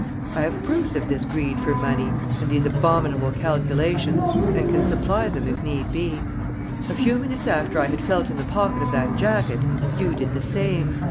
I have proofs of this greed for money and these abominable calculations and can supply them if need be. A few minutes after I had felt in the pocket of that jacket, you did the same.